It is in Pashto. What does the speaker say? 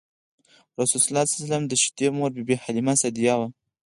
رسول الله ﷺ د شیدو مور بی بی حلیمه سعدیه وه.